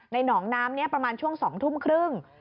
หนองน้ำนี้ประมาณช่วง๒ทุ่มครึ่ง